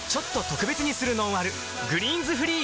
「グリーンズフリー」